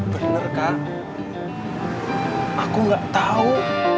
bener kak aku gak tau